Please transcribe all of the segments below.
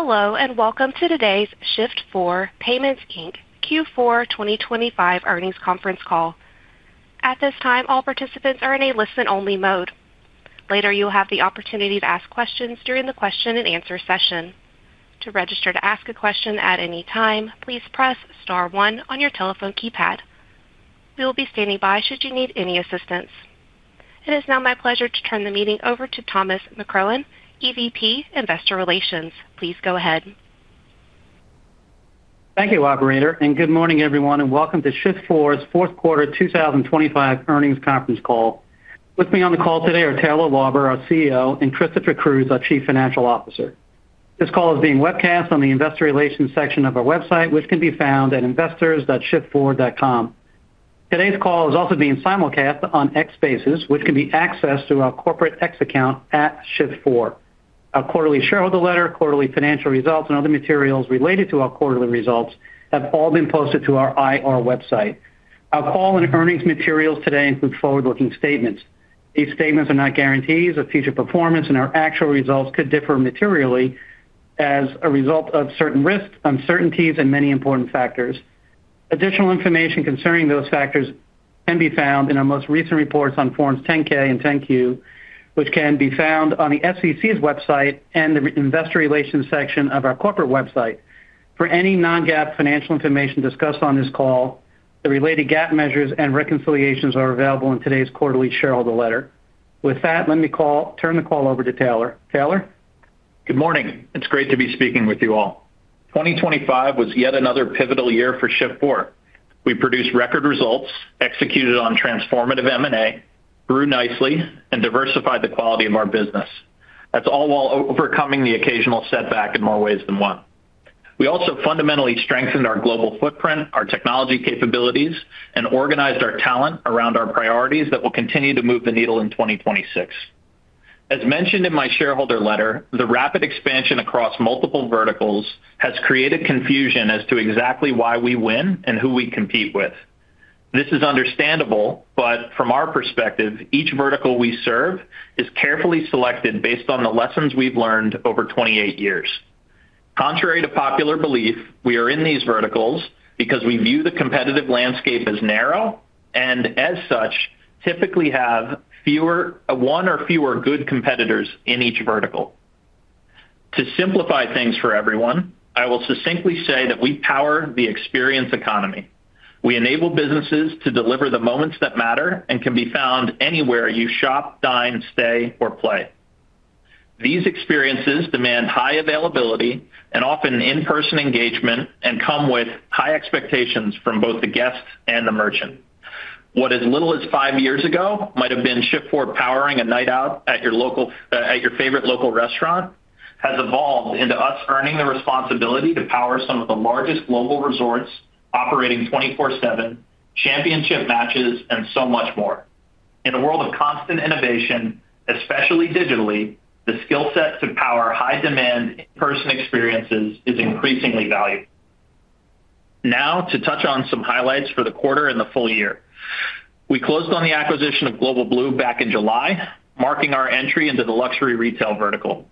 Hello, and welcome to today's Shift4 Payments, Inc. Q4 2025 earnings conference call. At this time, all participants are in a listen-only mode. Later, you'll have the opportunity to ask questions during the question-and-answer session. To register to ask a question at any time, please press star one on your telephone keypad. We will be standing by should you need any assistance. It is now my pleasure to turn the meeting over to Thomas McCrohan, EVP, Investor Relations. Please go ahead. Thank you, operator. Good morning, everyone, welcome to Shift4's Q4 2025 earnings conference call. With me on the call today are Taylor Lauber, our CEO, and Christopher Cruz, our Chief Financial Officer. This call is being webcast on the investor relations section of our website, which can be found at investors.shift4.com. Today's call is also being simulcast on X Spaces, which can be accessed through our corporate X account, @Shift4. Our quarterly shareholder letter, quarterly financial results, other materials related to our quarterly results have all been posted to our IR website. Our call earnings materials today include forward-looking statements. These statements are not guarantees of future performance, our actual results could differ materially as a result of certain risks, uncertainties, many important factors. Additional information concerning those factors can be found in our most recent reports on Forms 10-K and 10-Q, which can be found on the SEC's website and the investor relations section of our corporate website. For any non-GAAP financial information discussed on this call, the related GAAP measures and reconciliations are available in today's quarterly shareholder letter. With that, let me turn the call over to Taylor. Taylor? Good morning. It's great to be speaking with you all. 2025 was yet another pivotal year for Shift4. We produced record results, executed on transformative M&A, grew nicely, and diversified the quality of our business. That's all while overcoming the occasional setback in more ways than one. We also fundamentally strengthened our global footprint, our technology capabilities, and organized our talent around our priorities that will continue to move the needle in 2026. As mentioned in my shareholder letter, the rapid expansion across multiple verticals has created confusion as to exactly why we win and who we compete with. This is understandable, but from our perspective, each vertical we serve is carefully selected based on the lessons we've learned over 28 years. Contrary to popular belief, we are in these verticals because we view the competitive landscape as narrow, and as such, typically have one or fewer good competitors in each vertical. To simplify things for everyone, I will succinctly say that we power the experience economy. We enable businesses to deliver the moments that matter and can be found anywhere you shop, dine, stay, or play. These experiences demand high availability and often in-person engagement and come with high expectations from both the guest and the merchant. What as little as five years ago might have been Shift4 powering a night out at your local, at your favorite local restaurant, has evolved into us earning the responsibility to power some of the largest global resorts operating 24/7, championship matches, and so much more. In a world of constant innovation, especially digitally, the skill set to power high-demand in-person experiences is increasingly valuable. To touch on some highlights for the quarter and the full year. We closed on the acquisition of Global Blue back in July, marking our entry into the luxury retail vertical.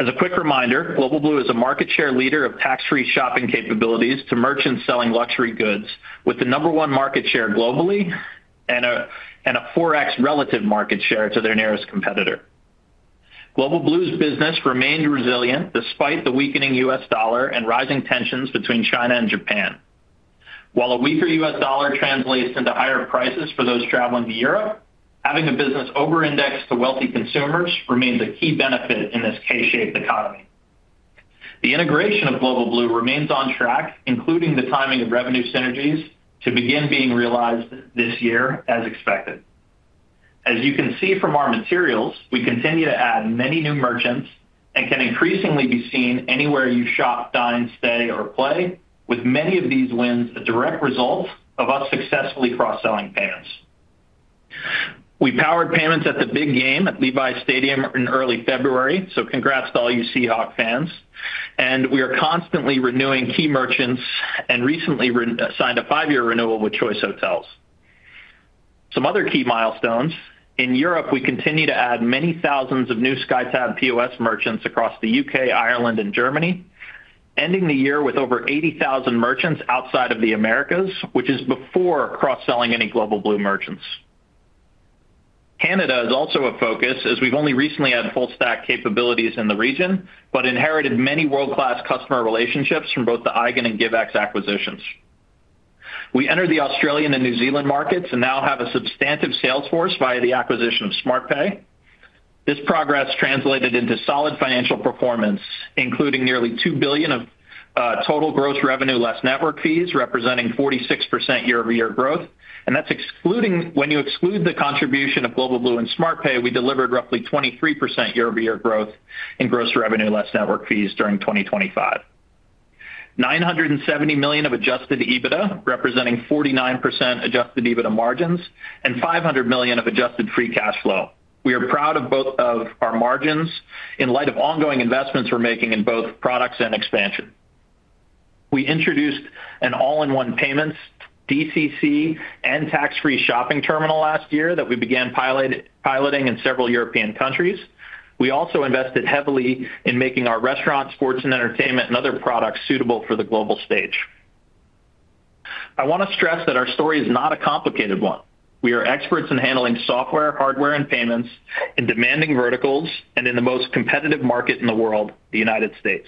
As a quick reminder, Global Blue is a market share leader of tax-free shopping capabilities to merchants selling luxury goods, with the number one market share globally and a 4x relative market share to their nearest competitor. Global Blue's business remained resilient despite the weakening U.S. dollar and rising tensions between China and Japan. While a weaker U.S. dollar translates into higher prices for those traveling to Europe, having a business overindexed to wealthy consumers remains a key benefit in this K-shaped economy. The integration of Global Blue remains on track, including the timing of revenue synergies, to begin being realized this year as expected. As you can see from our materials, we continue to add many new merchants and can increasingly be seen anywhere you shop, dine, stay, or play, with many of these wins a direct result of us successfully cross-selling payments. We powered payments at the big game at Levi's Stadium in early February, congrats to all you Seahawk fans. We are constantly renewing key merchants and recently re-signed a five year renewal with Choice Hotels. Some other key milestones. In Europe, we continue to add many thousands of new SkyTab POS merchants across the UK, Ireland, and Germany, ending the year with over 80,000 merchants outside of the Americas, which is before cross-selling any Global Blue merchants. Canada is also a focus, as we've only recently had full-stack capabilities in the region, but inherited many world-class customer relationships from both the Eigen and Givex acquisitions. We entered the Australian and New Zealand markets and now have a substantive sales force via the acquisition of SmartPay. This progress translated into solid financial performance, including nearly $2 billion of total Gross Revenue Less Network Fees, representing 46% year-over-year growth. When you exclude the contribution of Global Blue and SmartPay, we delivered roughly 23% year-over-year growth in Gross Revenue Less Network Fees during 2025. $970 million of Adjusted EBITDA, representing 49% Adjusted EBITDA margins, and $500 million of adjusted free cash flow. We are proud of both of our margins in light of ongoing investments we're making in both products and expansion.... We introduced an all-in-one payments, DCC, and tax-free shopping terminal last year that we began piloting in several European countries. We also invested heavily in making our restaurant, sports, and entertainment, and other products suitable for the global stage. I want to stress that our story is not a complicated one. We are experts in handling software, hardware, and payments in demanding verticals and in the most competitive market in the world, the United States.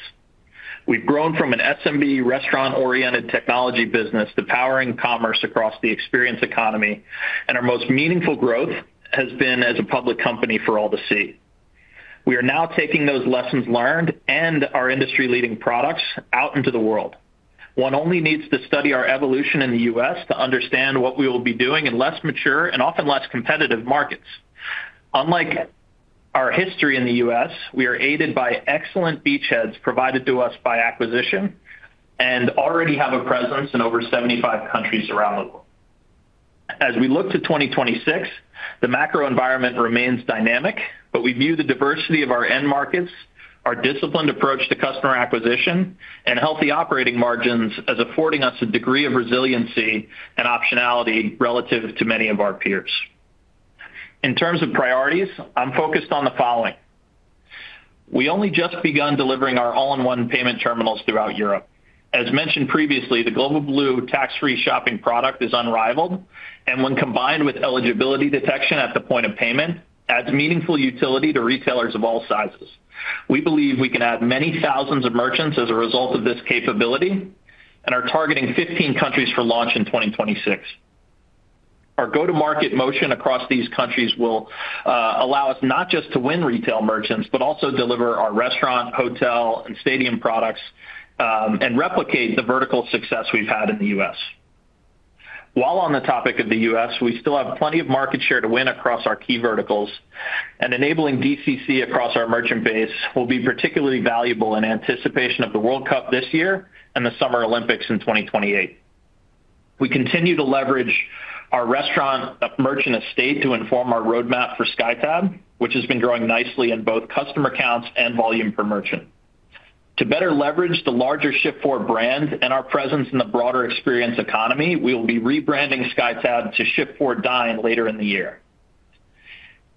We've grown from an SMB restaurant oriented technology business to powering commerce across the experience economy, and our most meaningful growth has been as a public company for all to see. We are now taking those lessons learned and our industry-leading products out into the world. One only needs to study our evolution in the US to understand what we will be doing in less mature and often less competitive markets. Unlike our history in the U.S., we are aided by excellent beachheads provided to us by acquisition and already have a presence in over 75 countries around the world. As we look to 2026, the macro environment remains dynamic, but we view the diversity of our end markets, our disciplined approach to customer acquisition, and healthy operating margins as affording us a degree of resiliency and optionality relative to many of our peers. In terms of priorities, I'm focused on the following. We only just begun delivering our all-in-one payment terminals throughout Europe. As mentioned previously, the Global Blue tax-free shopping product is unrivaled, and when combined with eligibility detection at the point of payment, adds meaningful utility to retailers of all sizes. We believe we can add many thousands of merchants as a result of this capability and are targeting 15 countries for launch in 2026. Our go-to-market motion across these countries will allow us not just to win retail merchants, but also deliver our restaurant, hotel, and stadium products, and replicate the vertical success we've had in the U.S. While on the topic of the U.S., we still have plenty of market share to win across our key verticals, and enabling DCC across our merchant base will be particularly valuable in anticipation of the World Cup this year and the Summer Olympics in 2028. We continue to leverage our restaurant merchant estate to inform our roadmap for SkyTab, which has been growing nicely in both customer counts and volume per merchant. To better leverage the larger Shift4 brand and our presence in the broader experience economy, we will be rebranding SkyTab to Shift4Dine later in the year.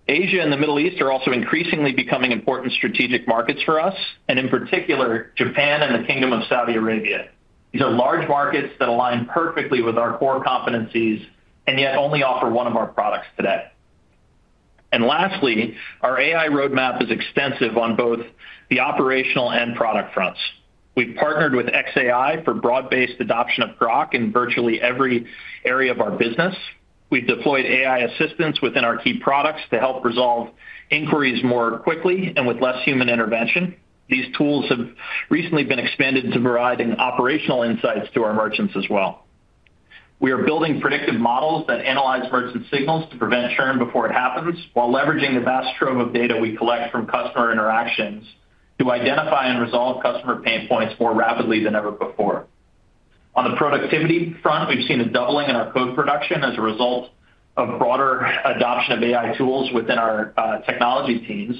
Asia and the Middle East are also increasingly becoming important strategic markets for us, in particular, Japan and the Kingdom of Saudi Arabia. These are large markets that align perfectly with our core competencies and yet only offer one of our products today. Lastly, our AI roadmap is extensive on both the operational and product fronts. We've partnered with xAI for broad-based adoption of Grok in virtually every area of our business. We've deployed AI assistants within our key products to help resolve inquiries more quickly and with less human intervention. These tools have recently been expanded to providing operational insights to our merchants as well. We are building predictive models that analyze merchant signals to prevent churn before it happens, while leveraging the vast trove of data we collect from customer interactions to identify and resolve customer pain points more rapidly than ever before. On the productivity front, we've seen a doubling in our code production as a result of broader adoption of AI tools within our technology teams.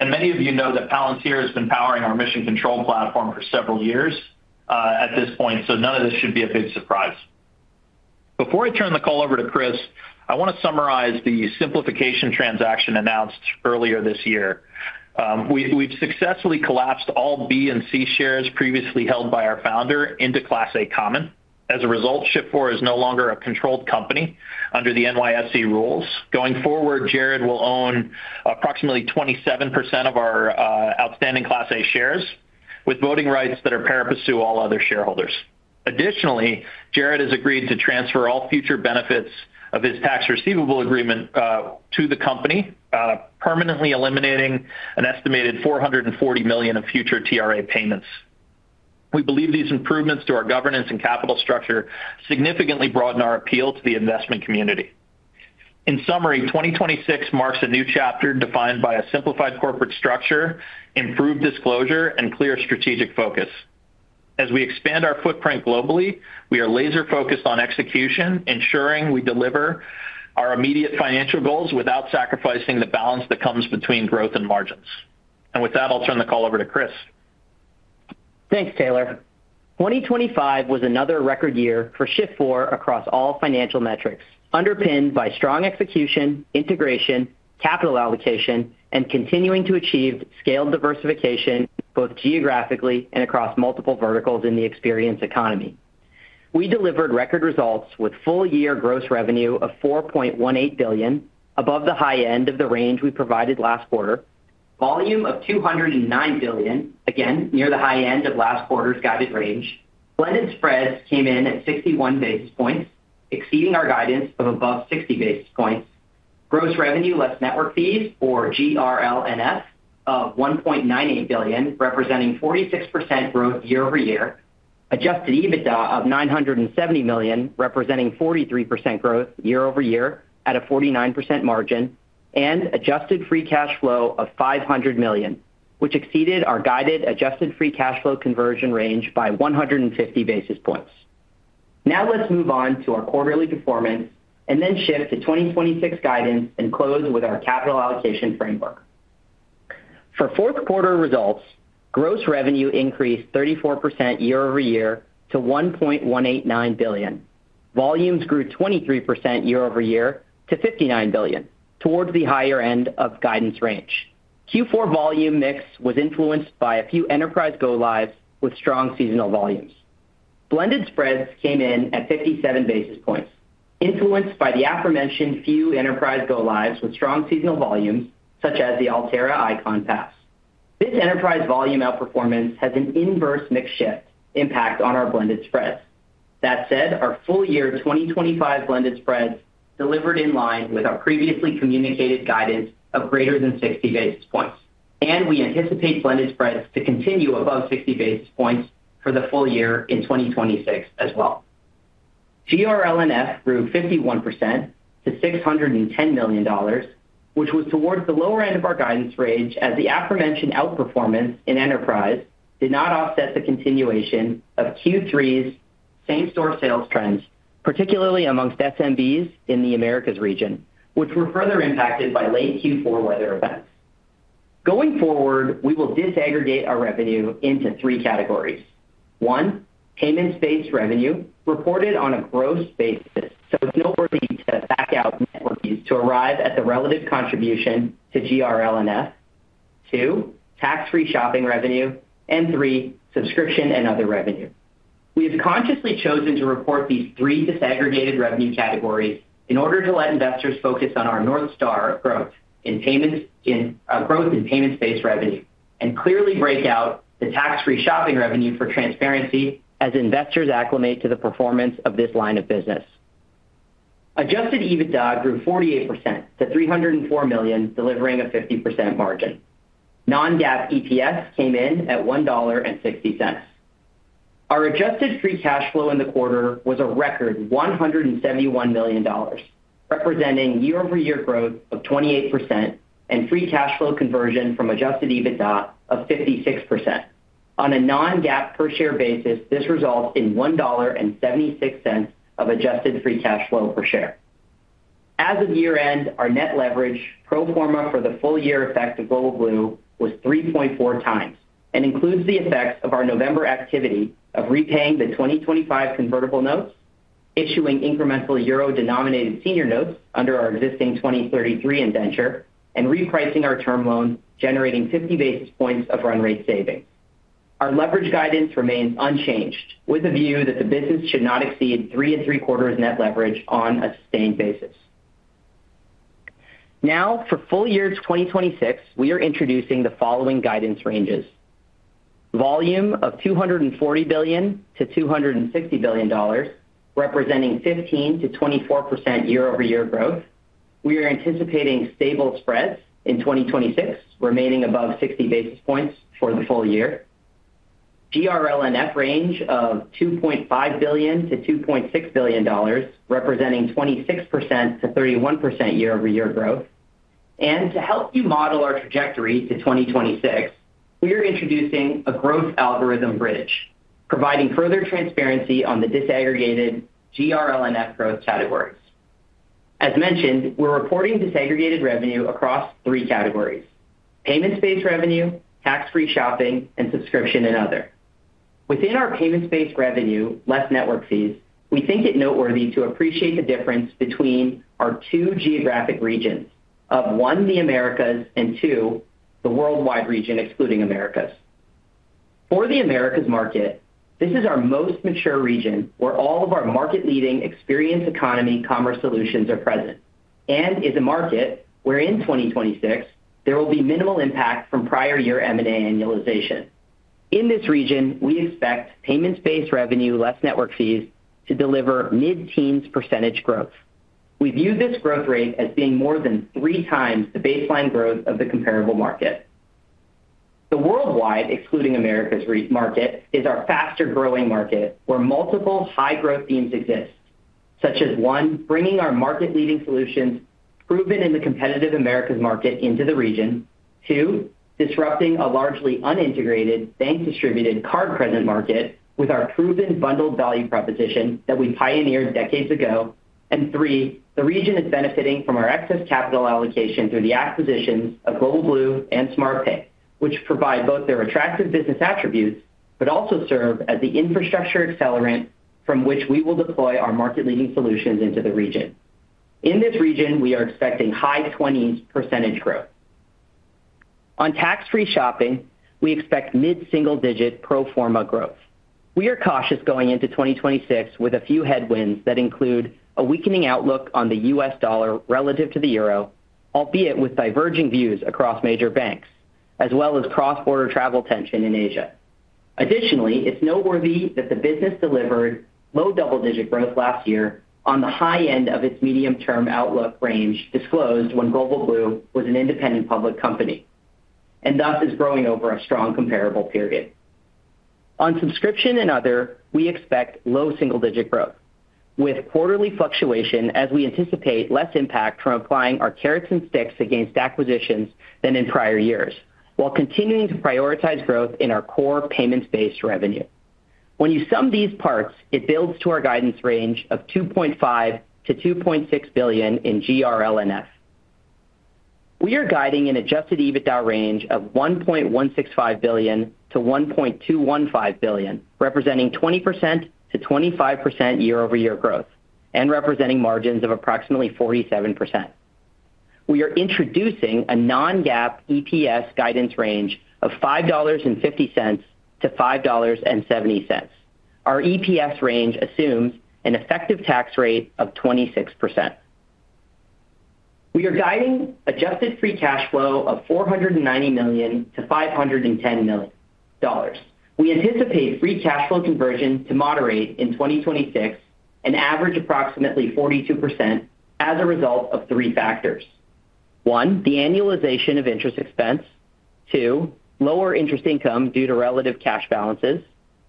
Many of you know that Palantir has been powering our Mission Control platform for several years at this point, none of this should be a big surprise. Before I turn the call over to Chris, I wanna summarize the simplification transaction announced earlier this year. We've successfully collapsed all B and C shares previously held by our founder into Class A common. As a result, Shift4 is no longer a controlled company under the NYSE rules. Going forward, Jared will own approximately 27% of our outstanding Class A shares, with voting rights that are par and pursue all other shareholders. Additionally, Jared has agreed to transfer all future benefits of his Tax Receivable Agreement to the company, permanently eliminating an estimated $440 million of future TRA payments. We believe these improvements to our governance and capital structure significantly broaden our appeal to the investment community. In summary, 2026 marks a new chapter defined by a simplified corporate structure, improved disclosure, and clear strategic focus. As we expand our footprint globally, we are laser focused on execution, ensuring we deliver our immediate financial goals without sacrificing the balance that comes between growth and margins. With that, I'll turn the call over to Chris. Thanks, Taylor. 2025 was another record year for Shift4 across all financial metrics, underpinned by strong execution, integration, capital allocation, and continuing to achieve scaled diversification, both geographically and across multiple verticals in the experience economy. We delivered record results with full year gross revenue of $4.18 billion, above the high end of the range we provided last quarter. Volume of $209 billion, again, near the high end of last quarter's guided range. Blended spreads came in at 61 basis points, exceeding our guidance of above 60 basis points. Gross Revenue Less Network Fees, or GRLNF, of $1.98 billion, representing 46% growth year-over-year. Adjusted EBITDA of $970 million, representing 43% growth year-over-year at a 49% margin, and adjusted free cash flow of $500 million, which exceeded our guided adjusted free cash flow conversion range by 150 basis points. Let's move on to our quarterly performance and then shift to 2026 guidance and close with our capital allocation framework. For Q4 results, gross revenue increased 34% year-over-year to $1.189 billion. Volumes grew 23% year-over-year to $59 billion, towards the higher end of guidance range. Q4 volume mix was influenced by a few enterprise go-lives with strong seasonal volumes. Blended spreads came in at 57 basis points, influenced by the aforementioned few enterprise go-lives with strong seasonal volumes, such as the Alterra Ikon Pass. This enterprise volume outperformance has an inverse mix shift impact on our blended spreads. Our full year 2025 blended spreads delivered in line with our previously communicated guidance of greater than 60 basis points, and we anticipate blended spreads to continue above 60 basis points for the full year in 2026 as well. GRLNF grew 51% to $610 million, which was towards the lower end of our guidance range, as the aforementioned outperformance in enterprise did not offset the continuation of Q3's same-store sales trends, particularly amongst SMBs in the Americas region, which were further impacted by late Q4 weather events. Going forward, we will disaggregate our revenue into three categories. One, payments-based revenue reported on a gross basis, it's noteworthy to back out network fees to arrive at the relative contribution to GRLNF. Two, tax-free shopping revenue. Three, subscription and other revenue. We have consciously chosen to report these three disaggregated revenue categories in order to let investors focus on our North Star growth in payments-based revenue, and clearly break out the tax-free shopping revenue for transparency as investors acclimate to the performance of this line of business. Adjusted EBITDA grew 48% to $304 million, delivering a 50% margin. non-GAAP EPS came in at $1.60. Our adjusted free cash flow in the quarter was a record $171 million, representing year-over-year growth of 28% and free cash flow conversion from Adjusted EBITDA of 56%. On a non-GAAP per share basis, this results in $1.76 of adjusted free cash flow per share. As of year-end, our net leverage pro forma for the full year effect of Global Blue was 3.4 times and includes the effects of our November activity of repaying the 2025 convertible notes, issuing incremental EUR-denominated senior notes under our existing 2033 indenture, and repricing our term loan, generating 50 basis points of run rate savings. Our leverage guidance remains unchanged, with a view that the business should not exceed 3.75 net leverage on a sustained basis. Now, for full year 2026, we are introducing the following guidance ranges. Volume of $240 billion-$260 billion, representing 15%-24% year-over-year growth. We are anticipating stable spreads in 2026, remaining above 60 basis points for the full year. GRLNF range of $2.5 billion-$2.6 billion, representing 26%-31% year-over-year growth. To help you model our trajectory to 2026, we are introducing a growth algorithm bridge, providing further transparency on the disaggregated GRLNF growth categories. As mentioned, we're reporting disaggregated revenue across three categories: payments-based revenue, tax-free shopping, and subscription and other. Within our payments-based revenue, less network fees, we think it noteworthy to appreciate the difference between our two geographic regions of, one, the Americas, and two, the worldwide region, excluding Americas. For the Americas market, this is our most mature region, where all of our market-leading experience economy commerce solutions are present, and is a market where in 2026, there will be minimal impact from prior year M&A annualization. In this region, we expect payments-based revenue, less network fees, to deliver mid-teens % growth. We view this growth rate as being more than three times the baseline growth of the comparable market. The worldwide, excluding Americas market, is our faster-growing market, where multiple high-growth themes exist, such as, one, bringing our market-leading solutions proven in the competitive Americas market into the region. Two, disrupting a largely unintegrated, bank-distributed card present market with our proven bundled value proposition that we pioneered decades ago. Three, the region is benefiting from our excess capital allocation through the acquisitions of Global Blue and SmartPay, which provide both their attractive business attributes, but also serve as the infrastructure accelerant from which we will deploy our market-leading solutions into the region. In this region, we are expecting high 20s % growth. On tax-free shopping, we expect mid-single-digit pro forma growth. We are cautious going into 2026 with a few headwinds that include a weakening outlook on the US dollar relative to the euro, albeit with diverging views across major banks, as well as cross-border travel tension in Asia. Additionally, it's noteworthy that the business delivered low double-digit growth last year on the high end of its medium-term outlook range, disclosed when Global Blue was an independent public company, and thus is growing over a strong comparable period. On subscription and other, we expect low single-digit growth, with quarterly fluctuation as we anticipate less impact from applying our carrots and sticks against acquisitions than in prior years, while continuing to prioritize growth in our core payments-based revenue....When you sum these parts, it builds to our guidance range of $2.5 billion-$2.6 billion in GRLNF. We are guiding an Adjusted EBITDA range of $1.165 billion-$1.215 billion, representing 20%-25% year-over-year growth and representing margins of approximately 47%. We are introducing a non-GAAP EPS guidance range of $5.50-$5.70. Our EPS range assumes an effective tax rate of 26%. We are guiding adjusted free cash flow of $490 million-$510 million. We anticipate free cash flow conversion to moderate in 2026 and average approximately 42% as a result of three factors: one, the annualization of interest expense, two, lower interest income due to relative cash balances,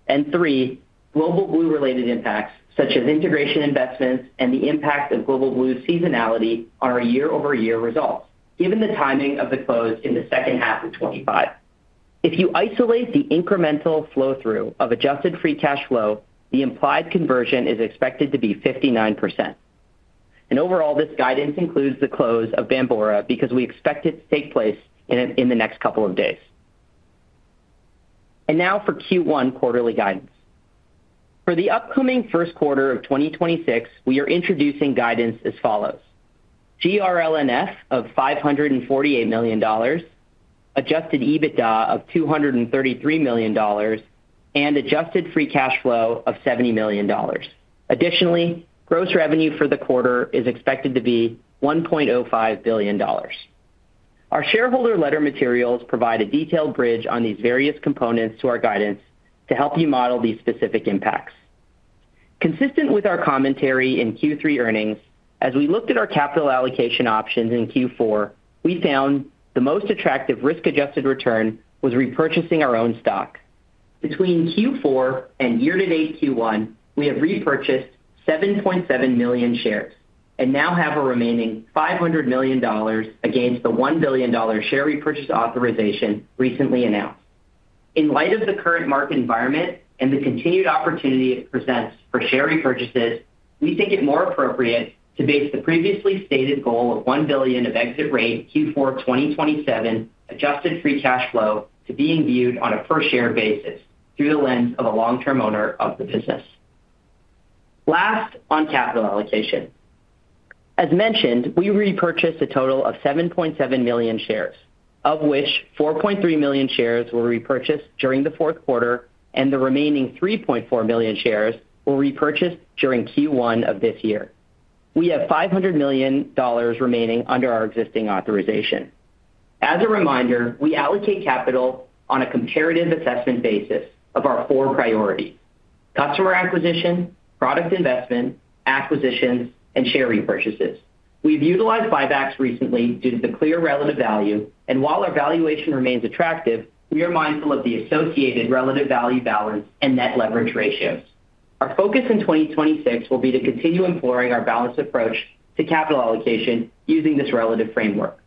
and three, Global Blue related impacts, such as integration investments and the impact of Global Blue's seasonality on our year-over-year results, given the timing of the close in the second half of 2025. If you isolate the incremental flow-through of adjusted free cash flow, the implied conversion is expected to be 59%. Overall, this guidance includes the close of Bambora because we expect it to take place in the next couple of days. Now for Q1 quarterly guidance. For the upcoming Q1 of 2026, we are introducing guidance as follows: GRLNF of $548 million, Adjusted EBITDA of $233 million, and adjusted free cash flow of $70 million. Additionally, gross revenue for the quarter is expected to be $1.05 billion. Our shareholder letter materials provide a detailed bridge on these various components to our guidance to help you model these specific impacts. Consistent with our commentary in Q3 earnings, as we looked at our capital allocation options in Q4, we found the most attractive risk-adjusted return was repurchasing our own stock. Between Q4 and year-to-date Q1, we have repurchased 7.7 million shares and now have a remaining $500 million against the $1 billion share repurchase authorization recently announced. In light of the current market environment and the continued opportunity it presents for share repurchases, we think it more appropriate to base the previously stated goal of $1 billion of exit rate Q4 2027 adjusted free cash flow to being viewed on a per share basis through the lens of a long-term owner of the business. Last, on capital allocation. As mentioned, we repurchased a total of 7.7 million shares, of which 4.3 million shares were repurchased during the Q4. The remaining 3.4 million shares were repurchased during Q1 of this year. We have $500 million remaining under our existing authorization. As a reminder, we allocate capital on a comparative assessment basis of our four priorities: customer acquisition, product investment, acquisitions, and share repurchases. We've utilized buybacks recently due to the clear relative value, and while our valuation remains attractive, we are mindful of the associated relative value balance and net leverage ratios. Our focus in 2026 will be to continue employing our balanced approach to capital allocation using this relative framework.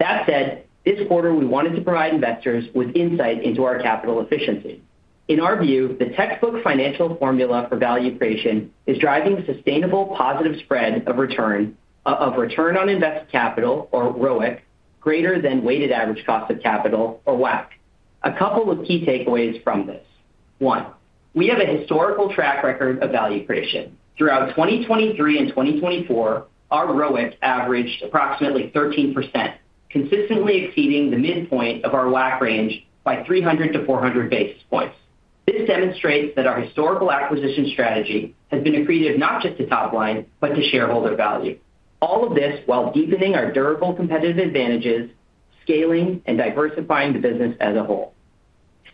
That said, this quarter, we wanted to provide investors with insight into our capital efficiency. In our view, the textbook financial formula for value creation is driving sustainable positive spread of return, of return on invested capital, or ROIC, greater than weighted average cost of capital, or WACC. A couple of key takeaways from this. One, we have a historical track record of value creation. Throughout 2023 and 2024, our ROIC averaged approximately 13%, consistently exceeding the midpoint of our WACC range by 300 to 400 basis points. This demonstrates that our historical acquisition strategy has been accretive not just to top line, but to shareholder value. All of this while deepening our durable competitive advantages, scaling and diversifying the business as a whole.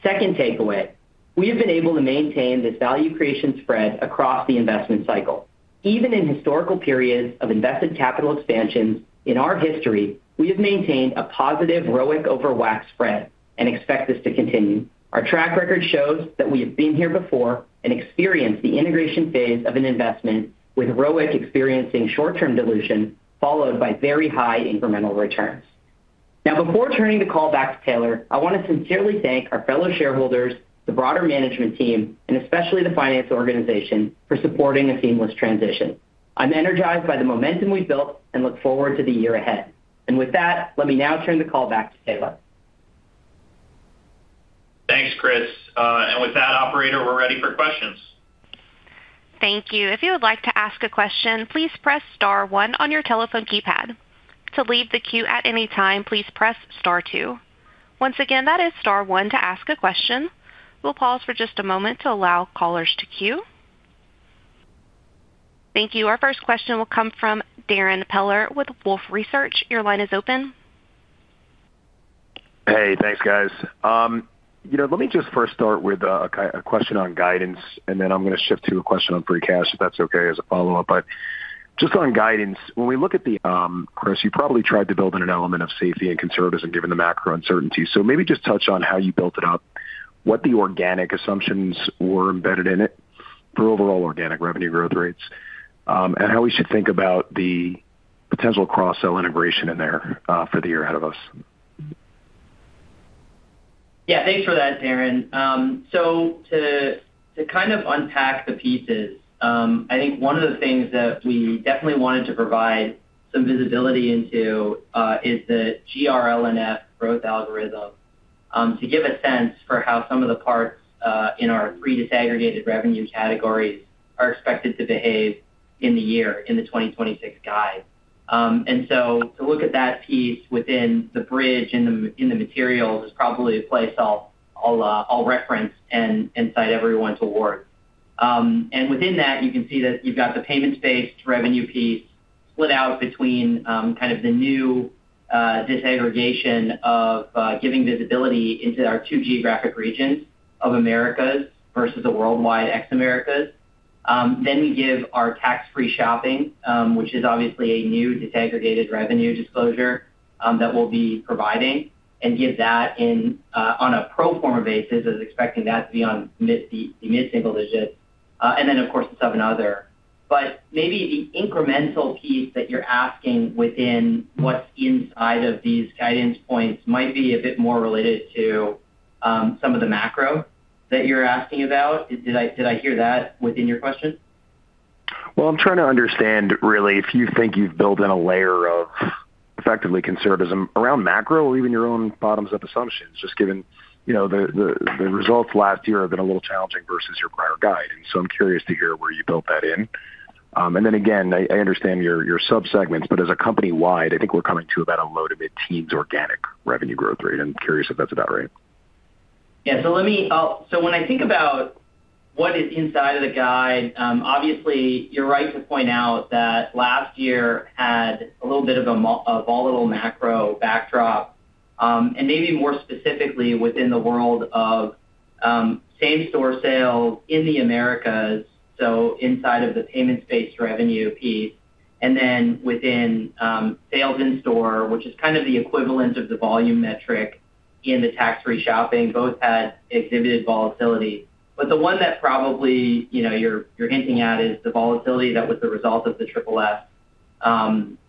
Second takeaway, we have been able to maintain this value creation spread across the investment cycle. Even in historical periods of invested capital expansion in our history, we have maintained a positive ROIC over WACC spread and expect this to continue. Our track record shows that we have been here before and experienced the integration phase of an investment with ROIC experiencing short-term dilution, followed by very high incremental returns. Before turning the call back to Taylor, I want to sincerely thank our fellow shareholders, the broader management team, and especially the finance organization for supporting a seamless transition. I'm energized by the momentum we've built and look forward to the year ahead. With that, let me now turn the call back to Taylor. Thanks, Chris. With that, operator, we're ready for questions. Thank you. If you would like to ask a question, please press star one on your telephone keypad. To leave the queue at any time, please press star two. Once again, that is star one to ask a question. We'll pause for just a moment to allow callers to queue. Thank you. Our first question will come from Darrin Peller with Wolfe Research. Your line is open. Hey, thanks, guys. You know, let me just first start with a question on guidance, and then I'm gonna shift to a question on free cash, if that's okay, as a follow-up. Just on guidance, when we look at the, Chris, you probably tried to build in an element of safety and conservatism given the macro uncertainty. Maybe just touch on how you built it up, what the organic assumptions were embedded in it for overall organic revenue growth rates, and how we should think about the potential cross-sell integration in there for the year ahead of us?... Yeah, thanks for that, Darrin. To kind of unpack the pieces, I think one of the things that we definitely wanted to provide some visibility into is the GRLNF growth algorithm to give a sense for how some of the parts in our pre-disaggregated revenue categories are expected to behave in the year, in the 2026 guide. To look at that piece within the bridge in the materials is probably a place I'll reference and cite everyone toward. Within that, you can see that you've got the payment-based revenue piece split out between kind of the new disaggregation of giving visibility into our two geographic regions of Americas versus the worldwide ex-Americas. We give our tax-free shopping, which is obviously a new disaggregated revenue disclosure, that we'll be providing, and give that in on a pro forma basis, as expecting that to be on the mid-single digits, and then, of course, the seven other. Maybe the incremental piece that you're asking within what's inside of these guidance points might be a bit more related to some of the macro that you're asking about. Did I hear that within your question? Well, I'm trying to understand, really, if you think you've built in a layer of effectively conservatism around macro or even your own bottoms-up assumptions, just given, you know, the results last year have been a little challenging versus your prior guide. I'm curious to hear where you built that in. Again, I understand your subsegments, but as a company-wide, I think we're coming to about a low to mid-teens organic revenue growth rate. I'm curious if that's about right? When I think about what is inside of the guide, obviously, you're right to point out that last year had a little bit of a volatile macro backdrop, and maybe more specifically within the world of same-store sales in the Americas, so inside of the payment-based revenue piece, and then within sales in store, which is kind of the equivalent of the volume metric in the tax-free shopping, both had exhibited volatility. The one that probably, you know, you're hinting at is the volatility that was the result of the Triple S,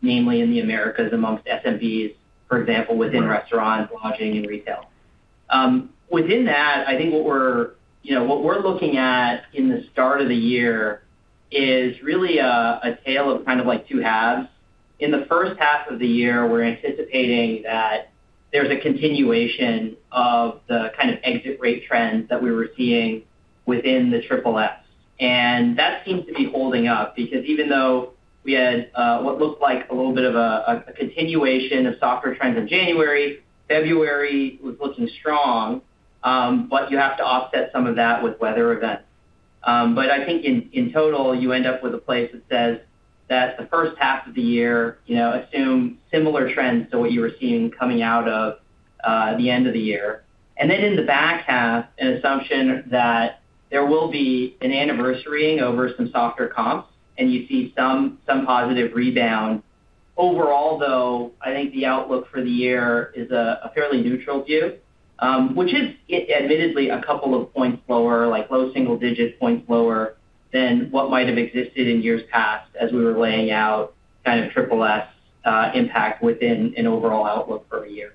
namely in the Americas, amongst SMBs, for example, within restaurants, lodging, and retail. Within that, I think what we're looking at in the start of the year is really a tale of kind of like two halves. In the first half of the year, we're anticipating that there's a continuation of the kind of exit rate trends that we were seeing within the Triple S. That seems to be holding up, because even though we had what looked like a little bit of a continuation of softer trends in January, February was looking strong. You have to offset some of that with weather events. I think in total, you end up with a place that says that the first half of the year, you know, assume similar trends to what you were seeing coming out of the end of the year. Then in the back half, an assumption that there will be an anniversarying over some softer comps, and you see some positive rebound. Overall, though, I think the outlook for the year is a fairly neutral view, which is admittedly a couple of points lower, like low single-digit points lower than what might have existed in years past as we were laying out kind of Triple S impact within an overall outlook for the year.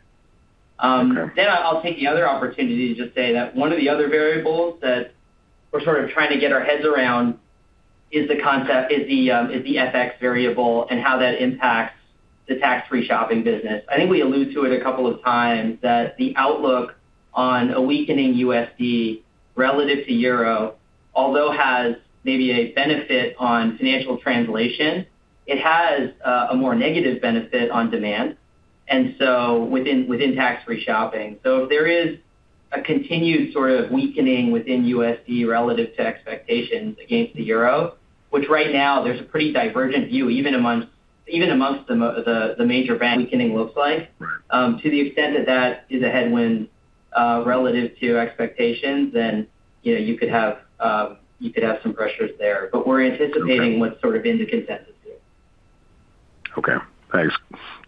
Okay. I'll take the other opportunity to just say that one of the other variables that we're sort of trying to get our heads around is the FX variable and how that impacts the tax-free shopping business. I think we allude to it a couple of times, that the outlook on a weakening USD relative to euro, although has maybe a benefit on financial translation, it has a more negative benefit on demand, and so within tax-free shopping. If there is a continued sort of weakening within USD relative to expectations against the euro, which right now there's a pretty divergent view, even amongst the major bank weakening looks like. To the extent that that is a headwind, relative to expectations, then, you know, you could have some pressures there, but we're anticipating what's sort of in the consensus view. Okay, thanks.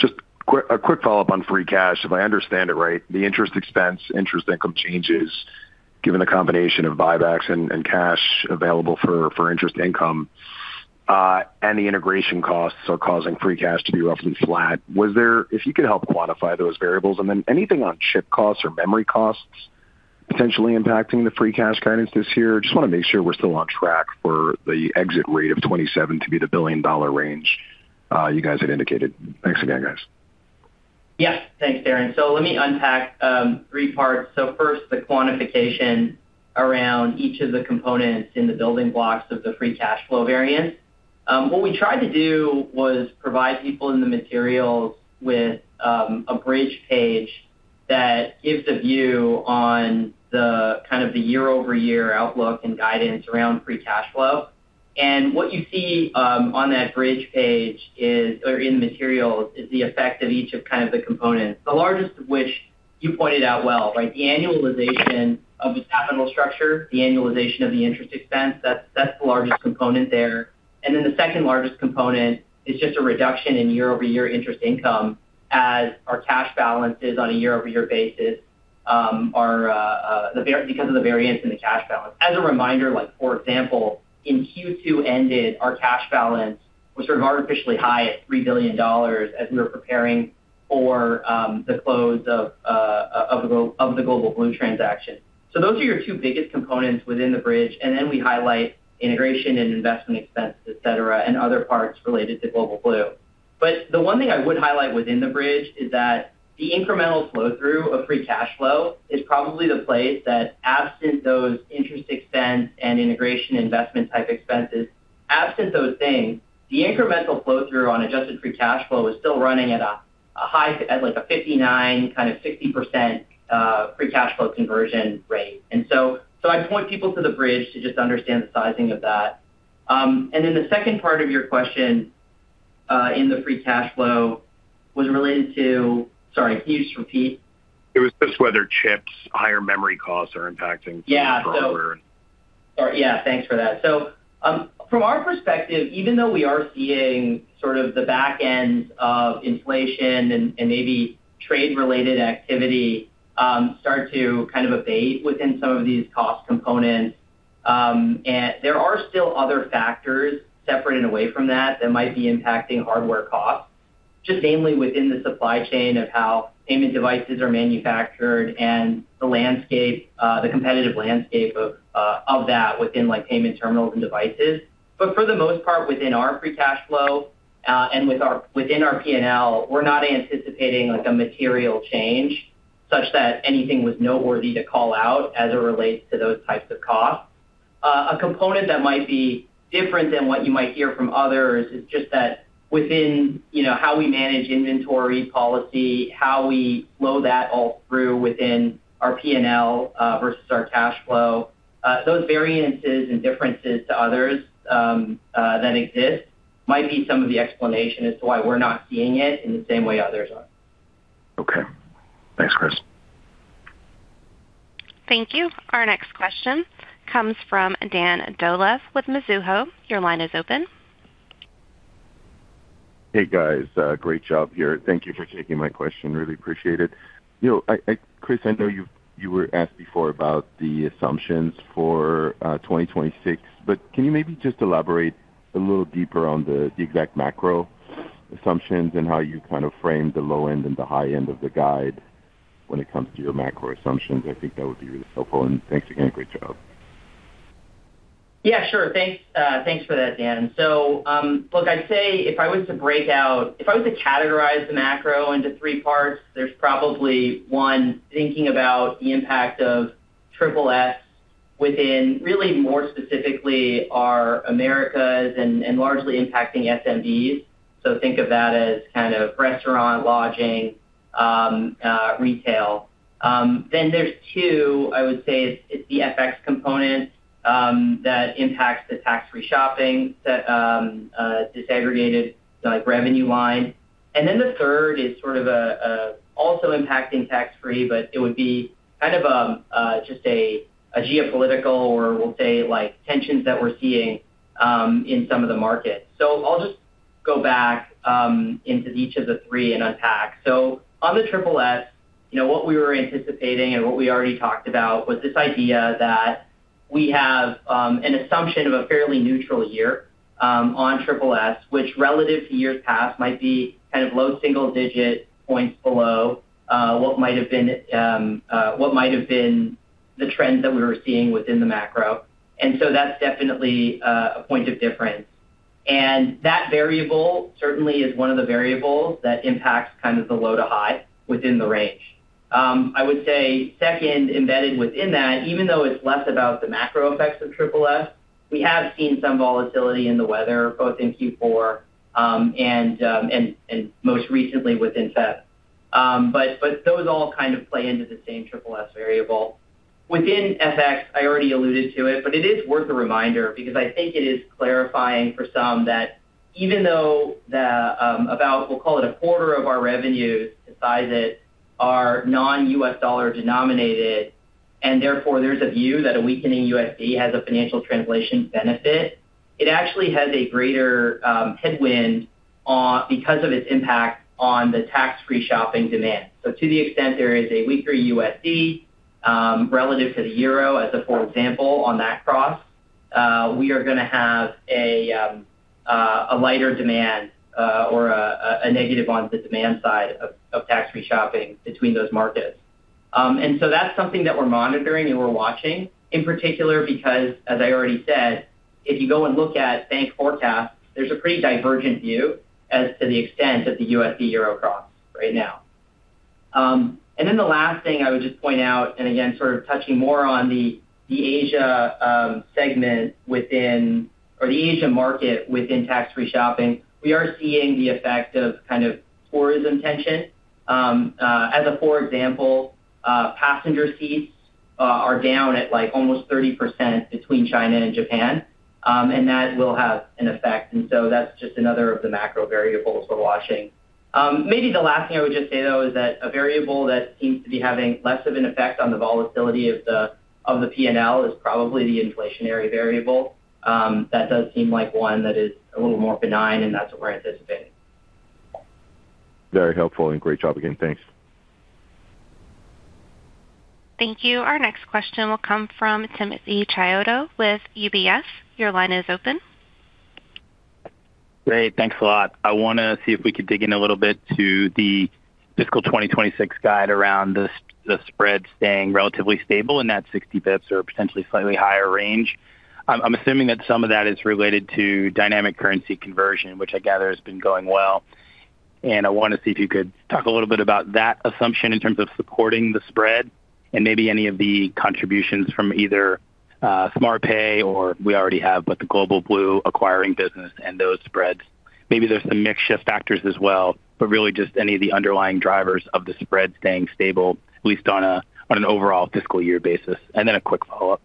Just quick, a quick follow-up on free cash. If I understand it right, the interest expense, interest income changes, given the combination of buybacks and cash available for interest income, and the integration costs are causing free cash to be roughly flat. If you could help quantify those variables, and then anything on chip costs or memory costs potentially impacting the free cash guidance this year? Just want to make sure we're still on track for the exit rate of 2027 to be the billion-dollar range, you guys had indicated. Thanks again, guys. Yes, thanks, Darren. Let me unpack three parts. First, the quantification around each of the components in the building blocks of the free cash flow variance. What we tried to do was provide people in the materials with a bridge page that gives a view on the kind of the year-over-year outlook and guidance around free cash flow. What you see on that bridge page is, or in the materials, is the effect of each of kind of the components, the largest of which you pointed out well, right? The annualization of the capital structure, the annualization of the interest expense, that's the largest component there. Then the second largest component is just a reduction in year-over-year interest income as our cash balance is on a year-over-year basis. are because of the variance in the cash balance. As a reminder, like, for example, in Q2 ended, our cash balance was sort of artificially high at $3 billion as we were preparing for the close of the Global Blue transaction. Those are your two biggest components within the bridge, and then we highlight integration and investment expenses, et cetera, and other parts related to Global Blue. The one thing I would highlight within the bridge is that the incremental flow through of free cash flow is probably the place that absent those interest expense and integration investment type expenses, absent those things, the incremental flow through on adjusted free cash flow is still running at a high, at like a 59%, kind of 60% free cash flow conversion rate. I point people to the bridge to just understand the sizing of that. The second part of your question, in the free cash flow was related to. Sorry, can you just repeat? It was just whether chips, higher memory costs are impacting. Yeah. Hardware. Sorry, yeah, thanks for that. From our perspective, even though we are seeing sort of the back end of inflation and maybe trade-related activity, start to kind of abate within some of these cost components, and there are still other factors separate and away from that might be impacting hardware costs, just mainly within the supply chain of how payment devices are manufactured and the landscape, the competitive landscape of that within, like, payment terminals and devices. For the most part, within our free cash flow, and within our P&L, we're not anticipating, like, a material change such that anything was noteworthy to call out as it relates to those types of costs. a component that might be different than what you might hear from others is just that within, you know, how we manage inventory policy, how we flow that all through within our P&L, versus our cash flow, those variances and differences to others, that exist might be some of the explanation as to why we're not seeing it in the same way others are. Okay. Thanks, Chris. Thank you. Our next question comes from Dan Dolev with Mizuho. Your line is open. Hey, guys. Great job here. Thank you for taking my question. Really appreciate it. You know, Chris, I know you were asked before about the assumptions for 2026. Can you maybe just elaborate a little deeper on the exact macro assumptions and how you kind of frame the low end and the high end of the guide when it comes to your macro assumptions? I think that would be really helpful. Thanks again. Great job. Yeah, sure. Thanks, thanks for that, Dan. Look, I'd say if I was to categorize the macro into three parts, there's probably one, thinking about the impact of Triple S within really more specifically our Americas and largely impacting SMBs. Think of that as kind of restaurant, lodging, retail. There's two, I would say it's the FX component that impacts the tax-free shopping disaggregated, like, revenue line. The third is sort of a also impacting tax-free, but it would be kind of just a geopolitical or we'll say, like, tensions that we're seeing in some of the markets. I'll just go back into each of the three and unpack. On the Triple S, you know, what we were anticipating and what we already talked about was this idea that we have an assumption of a fairly neutral year on Triple S, which relative to years past, might be kind of low-single-digit points below what might have been what might have been the trends that we were seeing within the macro. That's definitely a point of difference. That variable certainly is one of the variables that impacts kind of the low to high within the range. I would say second, embedded within that, even though it's less about the macro effects of Triple S, we have seen some volatility in the weather, both in Q4, and most recently within Feb. Those all kind of play into the same Triple S variable. Within FX, I already alluded to it, but it is worth a reminder because I think it is clarifying for some that even though the about, we'll call it a quarter of our revenues, the size that are non-US dollar denominated, and therefore there's a view that a weakening USD has a financial translation benefit, it actually has a greater headwind on because of its impact on the tax-free shopping demand. To the extent there is a weaker USD, relative to the euro, as a for example, on that cross, we are gonna have a lighter demand, or a negative on the demand side of tax-free shopping between those markets. That's something that we're monitoring and we're watching in particular, because as I already said, if you go and look at bank forecasts, there's a pretty divergent view as to the extent of the USD EUR cross right now. The last thing I would just point out, and again, sort of touching more on the Asia segment within or the Asia market within tax-free shopping, we are seeing the effect of kind of tourism tension. As a for example, passenger seats are down at, like, almost 30% between China and Japan, and that will have an effect. That's just another of the macro variables we're watching. Maybe the last thing I would just say, though, is that a variable that seems to be having less of an effect on the volatility of the P&L is probably the inflationary variable. That does seem like one that is a little more benign, and that's what we're anticipating. Very helpful and great job again. Thanks. Thank you. Our next question will come from Timothy Chiodo with UBS. Your line is open. Great, thanks a lot. I wanna see if we could dig in a little bit to the fiscal 2026 guide around the spread staying relatively stable in that 60 basis points or potentially slightly higher range. I'm assuming that some of that is related to dynamic currency conversion, which I gather has been going well. I wanna see if you could talk a little bit about that assumption in terms of supporting the spread and maybe any of the contributions from either Smartpay or we already have, but the Global Blue acquiring business and those spreads. Maybe there's some mix shift factors as well, but really just any of the underlying drivers of the spread staying stable, at least on an overall fiscal year basis. Then a quick follow-up.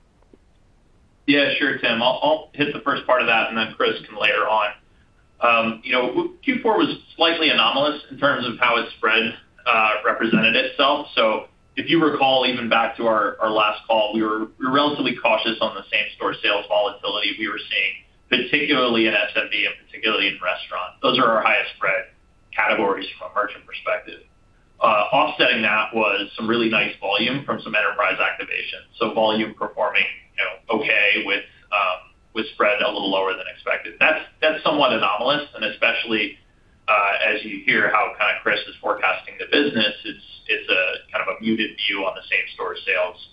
Yeah, sure, Tim. I'll hit the first part of that, and then Chris can layer on. You know, Q4 was slightly anomalous in terms of how its spread represented itself. If you recall, even back to our last call, we were relatively cautious on the same-store sales volatility we were seeing, particularly in SMB and particularly in restaurant. Those are our highest spread categories from a merchant perspective. Offsetting that was some really nice volume from some enterprise activation. Volume performing, you know, okay with spread a little lower than expected. That's somewhat anomalous, and especially as you hear how kinda Chris is forecasting the business, it's a kind of a muted view on the same-store sales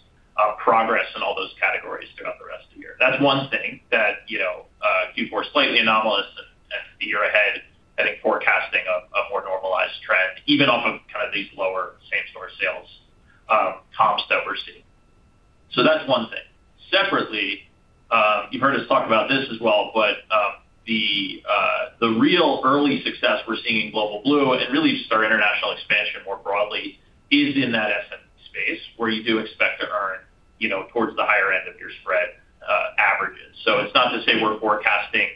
progress in all those categories throughout the rest of the year. That's one thing that, you know, Q4 is slightly anomalous, and the year ahead, I think, forecasting a more normalized trend, even off of kind of these lower same-store sales comps that we're seeing. That's one thing. Separately, you've heard us talk about this as well, but the real early success we're seeing in Global Blue and really just our international expansion more broadly, is in that SMB space where you do expect to earn, you know, towards the higher end of your spread averages. It's not to say we're forecasting,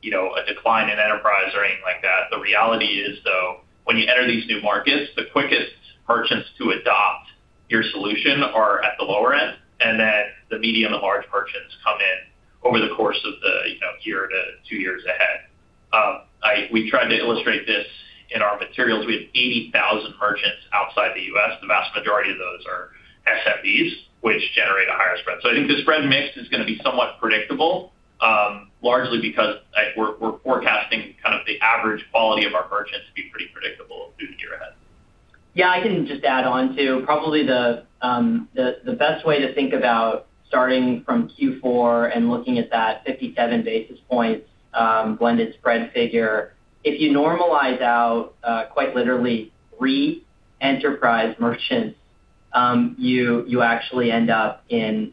you know, a decline in enterprise or anything like that. The reality is, though, when you enter these new markets, the quickest merchants to adopt your solution are at the lower end, and then the medium and large merchants come in over the course of the, you know, one to two years ahead. We tried to illustrate this in our materials. We have 80,000 merchants outside the U.S. The vast majority of those are SMBs, which generate a higher spread. I think the spread mix is gonna be somewhat predictable, largely because we're forecasting kind of the average quality of our merchants to be pretty predictable through the year ahead. Yeah, I can just add on to probably the best way to think about starting from Q4 and looking at that 57 basis points blended spread figure. If you normalize out quite literally, three enterprise merchants, you actually end up in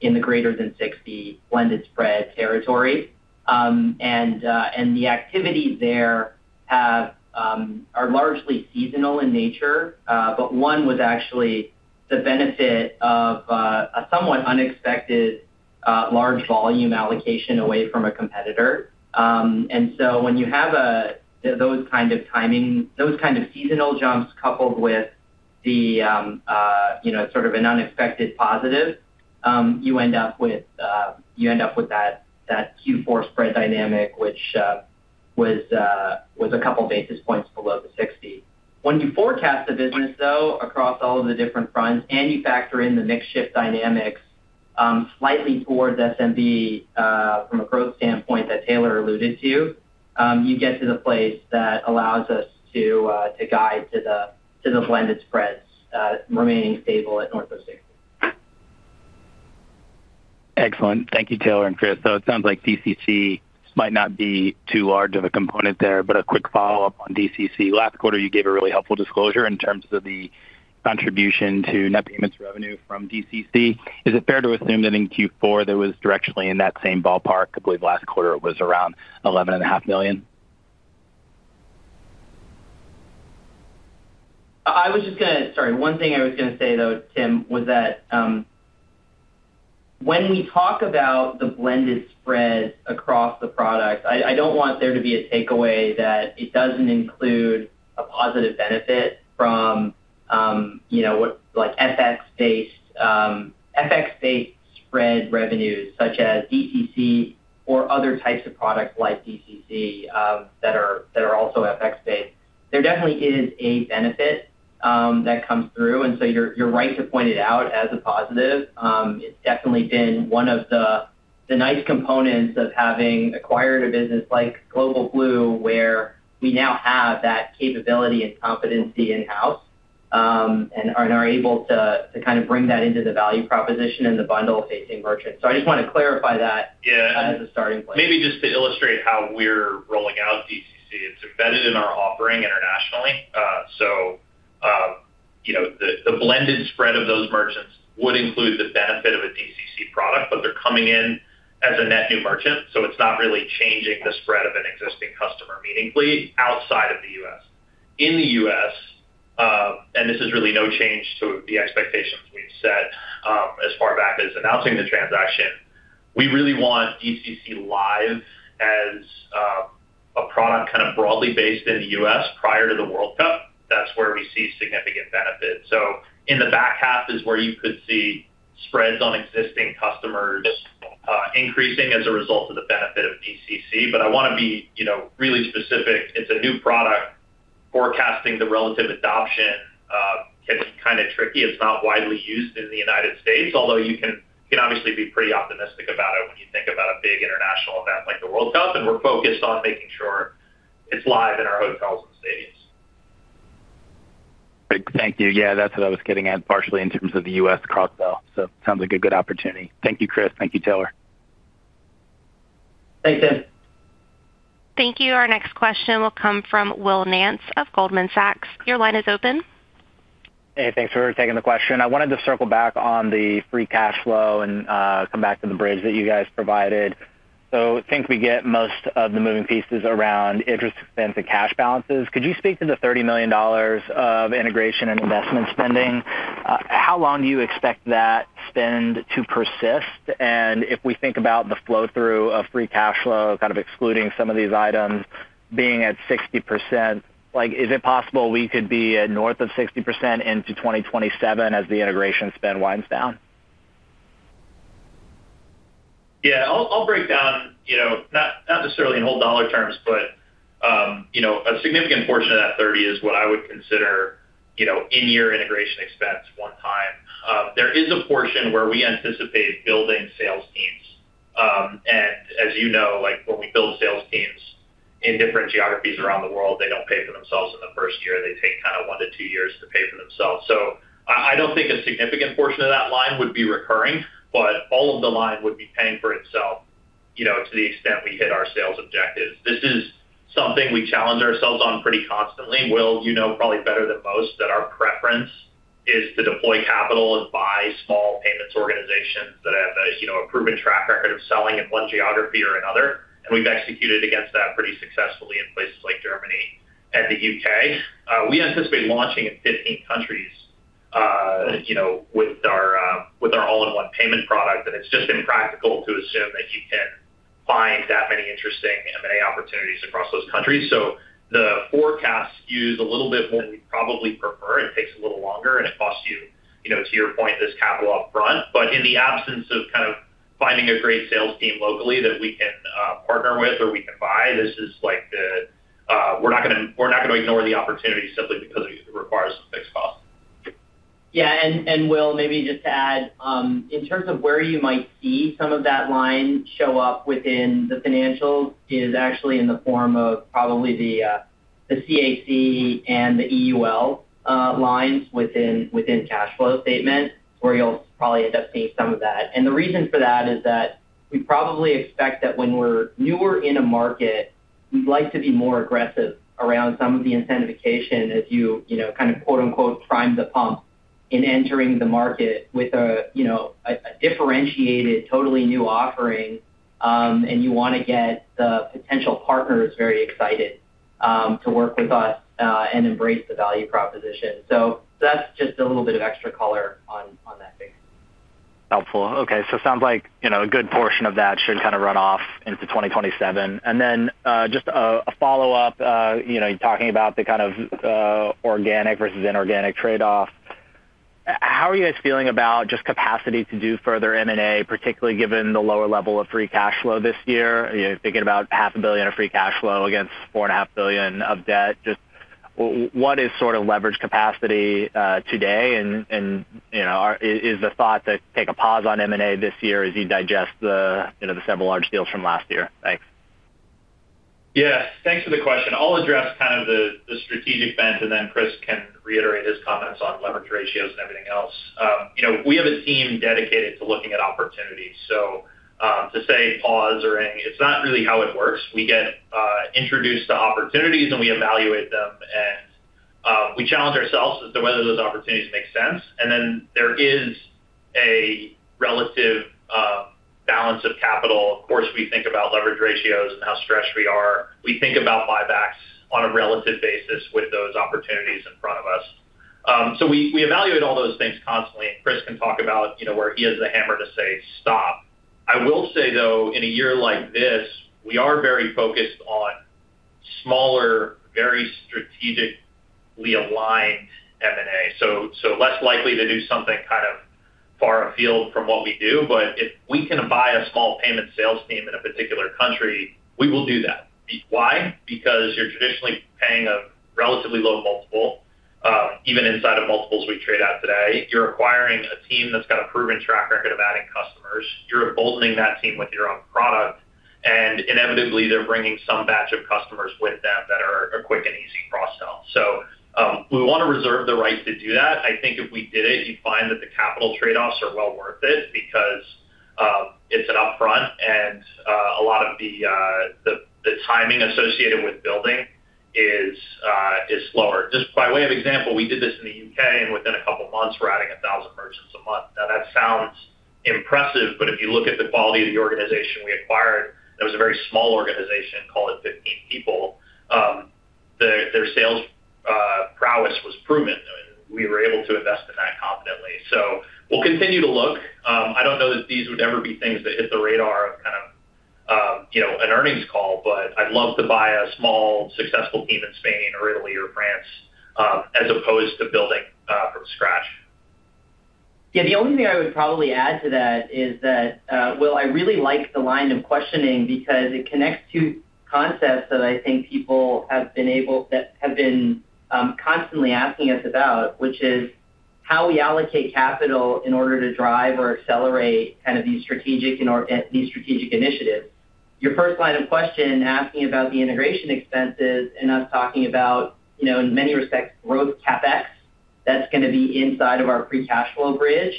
the greater than 60 blended spread territory. The activity there have are largely seasonal in nature, but one was actually the benefit of a somewhat unexpected large volume allocation away from a competitor. When you have those kind of timing, those kind of seasonal jumps coupled with the, you know, sort of an unexpected positive, you end up with that Q4 spread dynamic, which was a couple basis points below the 60. When you forecast the business, though, across all of the different fronts, and you factor in the mix shift dynamics, slightly towards SMB, from a growth standpoint that Taylor alluded to, you get to the place that allows us to guide to the blended spreads remaining stable at north of 60. Excellent. Thank you, Taylor and Chris. It sounds like DCC might not be too large of a component there, but a quick follow-up on DCC. Last quarter, you gave a really helpful disclosure in terms of the contribution to net payments revenue from DCC. Is it fair to assume that in Q4, that was directly in that same ballpark? I believe last quarter it was around $11.5 million. I was just gonna, sorry, one thing I was gonna say, though, Tim, was that when we talk about the blended spread across the product, I don't want there to be a takeaway that it doesn't include a positive benefit from, you know, what, like, FX-based spread revenues, such as DCC or other types of products like DCC, that are also FX-based. There definitely is a benefit that comes through, and you're right to point it out as a positive. It's definitely been one of the nice components of having acquired a business like Global Blue, where we now have that capability and competency in-house, and are able to kind of bring that into the value proposition and the bundle-facing merchant. I just wanna clarify that. Yeah as a starting point. Maybe just to illustrate how we're rolling out DCC, it's embedded in our offering internationally. You know, the blended spread of those merchants would include the benefit of a DCC product, but they're coming in as a net new merchant, so it's not really changing the spread of an existing customer meaningfully outside of the US. In the US, this is really no change to the expectations we've set as far back as announcing the transaction, we really want DCC Live as a product kind of broadly based in the US prior to the World Cup. That's where we see significant benefit. In the back half is where you could see spreads on existing customers increasing as a result of the benefit of DCC. I wanna be, you know, really specific. It's a new product. Forecasting the relative adoption, gets kinda tricky. It's not widely used in the United States, although you can obviously be pretty optimistic about it when you think about a big international event like the World Cup, and we're focused on making sure it's live in our hotels and stadiums. Great. Thank you. Yeah, that's what I was getting at partially in terms of the U.S. cross-sell. Sounds like a good opportunity. Thank you, Chris. Thank you, Taylor. Thanks, Tim. Thank you. Our next question will come from Will Nance of Goldman Sachs. Your line is open. Hey, thanks for taking the question. I wanted to circle back on the free cash flow and come back to the bridge that you guys provided. I think we get most of the moving pieces around interest expense and cash balances. Could you speak to the $30 million of integration and investment spending? How long do you expect that spend to persist? If we think about the flow-through of free cash flow, kind of excluding some of these items being at 60%, like, is it possible we could be at north of 60% into 2027 as the integration spend winds down? Yeah, I'll break down, you know, not necessarily in whole dollar terms, but, you know, a significant portion of that $30 is what I would consider, you know, in-year integration expense one time. There is a portion where we anticipate building sales teams. As you know, like, when we build sales teams in different geographies around the world, they don't pay for themselves in the first year. They take kinda one to two years to pay for themselves. I don't think a significant portion of that line would be recurring, but all of the line would be paying for itself, you know, to the extent we hit our sales objectives. This is something we challenge ourselves on pretty constantly. Will, you know, probably better than most, that our preference is to deploy capital and buy small payments organizations that have a, you know, a proven track record of selling in one geography or another. We've executed against that pretty successfully in places like Germany and the U.K. We anticipate launching in 15 countries, you know, with our, with our all-in-one payment product, and it's just impractical to assume that you can find that many interesting M.&A. opportunities across those countries. The forecast skews a little bit more than we probably prefer. It takes a little longer, and it costs you know, to your point, this capital up front. In the absence of kind of finding a great sales team locally that we can, partner with or we can buy, this is like the, we're not gonna ignore the opportunity simply because it requires a fixed cost. Yeah, Will, maybe just to add, in terms of where you might see some of that line show up within the financials is actually in the form of probably the CAC and the EUL lines within cash flow statement, where you'll probably end up seeing some of that. The reason for that is that we probably expect that when we're newer in a market, we'd like to be more aggressive around some of the incentivization as you know, kind of quote-unquote, "prime the pump" in entering the market with a differentiated, totally new offering, and you wanna get the potential partners very excited to work with us and embrace the value proposition. That's just a little bit of extra color on that figure. Helpful. Okay, sounds like, you know, a good portion of that should kind of run off into 2027. Just a follow-up, you know, you're talking about the kind of organic versus inorganic trade-off. How are you guys feeling about just capacity to do further M&A, particularly given the lower level of free cash flow this year? You know, thinking about half a billion of free cash flow against four and a half billion of debt, just what is sort of leverage capacity today, and, you know, is the thought to take a pause on M&A this year as you digest the, you know, the several large deals from last year? Thanks. Yeah. Thanks for the question. I'll address kind of the strategic bent, then Chris can reiterate his comments on leverage ratios and everything else. You know, we have a team dedicated to looking at opportunities, so to say pause or any, it's not really how it works. We get introduced to opportunities, and we evaluate them, and we challenge ourselves as to whether those opportunities make sense. Then there is a relative balance of capital. Of course, we think about leverage ratios and how stretched we are. We think about buybacks on a relative basis with those opportunities in front of us. We, we evaluate all those things constantly, and Chris can talk about, you know, where he has the hammer to say, "Stop." I will say, though, in a year like this, we are very focused on smaller, very strategically aligned M&A, so less likely to do something kind of far afield from what we do. If we can buy a small payment sales team in a particular country, we will do that. Why? Because you're traditionally paying a relatively low multiple, even inside of multiples we trade at today. You're acquiring a team that's got a proven track record of adding customers. You're emboldening that team with your own product, and inevitably, they're bringing some batch of customers with them that are a quick and easy cross-sell. We wanna reserve the right to do that. I think if we did it, you'd find that the capital trade-offs are well worth it because it's an upfront and a lot of the timing associated with building is slower. Just by way of example, we did this in the UK, and within a couple of months, we're adding 1,000 merchants a month. That sounds impressive, but if you look at the quality of the organization we acquired, it was a very small organization, call it 15 people. Their sales prowess was proven, and we were able to invest in that confidently. We'll continue to look. I don't know that these would ever be things that hit the radar of kind of, an earnings call, but I'd love to buy a small, successful team in Spain or Italy or France, as opposed to building from scratch. Yeah, the only thing I would probably add to that is that, well, I really like the line of questioning because it connects two concepts that I think people that have been constantly asking us about, which is how we allocate capital in order to drive or accelerate kind of these strategic in or, these strategic initiatives. Your first line of questioning, asking about the integration expenses and us talking about, you know, in many respects, growth CapEx, that's going to be inside of our free cash flow bridge.